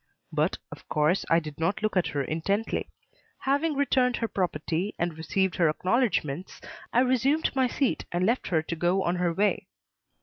But, of course, I did not look at her intently. Having returned her property and received her acknowledgments, I resumed my seat and left her to go on her way.